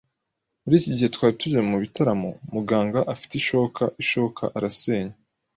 Muri iki gihe twari tugeze mu bitaramo. Muganga, afite ishoka-ishoka, arasenya